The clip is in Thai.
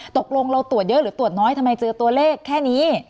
ตกลงเราตรวจเยอะหรือตรวจน้อยทำไมเจอตัวเลขแค่นี้